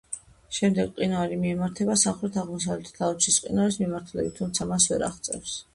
შემდეგ მყინვარი მიემართება სამხრეთ-აღმოსავლეთით, ალეჩის მყინვარის მიმართულებით, თუმცა მას ვერ აღწევს.